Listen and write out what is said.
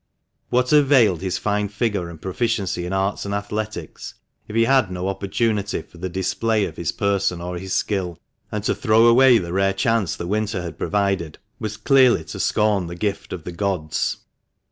What availed his fine figure and proficiency in arts and athletics, if he had no opportunity for the display of his person or his skill? And to throw away the rare chance the winter had provided was clearly to scorn the gift of the gods.